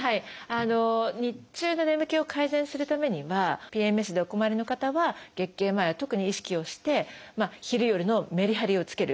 日中の眠気を改善するためにはＰＭＳでお困りの方は月経前は特に意識をして昼夜のメリハリをつける。